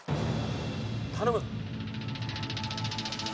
頼む。